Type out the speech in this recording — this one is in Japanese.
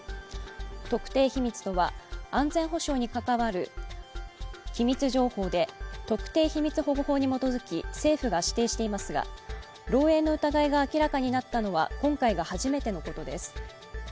特定秘密とは、安全保障に関わる機密情報で特定秘密保護法に基づき政府が指定していますが、漏えいの疑いが明らかになったのは今回が初めてのことです。